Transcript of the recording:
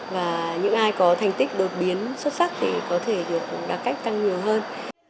và những ai có thành tích đột biến xuất sắc thì có thể được đạt cách tăng nhiều hơn